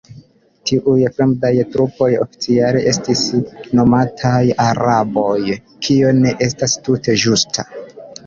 Tiuj fremdaj trupoj oficiale estis nomataj "araboj", kio ne estas tute ĝusta.